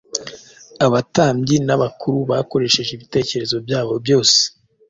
Abatambyi n’abakuru bakoresheje ibitekerezo byabo byose